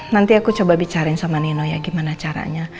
nanti aku coba bicarain sama nino ya gimana caranya